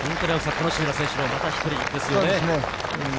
楽しみな選手の一人ですよね。